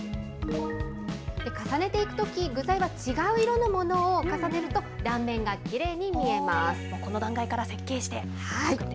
重ねていくとき、具材は違う色のものを重ねると断面がきれいこの段階から設計して。